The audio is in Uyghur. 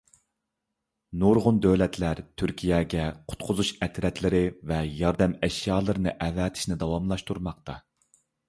نۇرغۇن دۆلەتلەر تۈركىيەگە قۇتقۇزۇش ئەترەتلىرى ۋە ياردەم ئەشيالىرىنى ئەۋەتىشنى داۋاملاشتۇرماقتا.